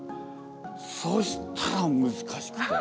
そしたらむずかしくて。